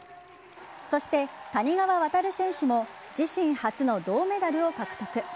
そして谷川航選手も自身初の銅メダルを獲得。